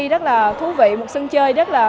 rất là thú vị một sân chơi rất là